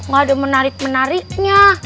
gak ada menarik menariknya